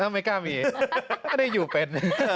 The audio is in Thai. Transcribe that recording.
ไม่กล้ามีไม่ได้อยู่เป็น